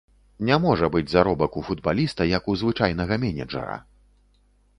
Не можа быць заробак у футбаліста, як у звычайнага менеджара.